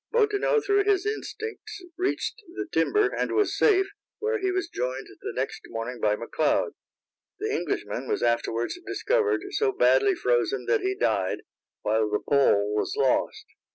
Bottineau through his instincts reached the timber, and was safe, where he was joined the next morning by McLeod. The Englishman was afterwards discovered so badly frozen that he died, while the Pole was lost.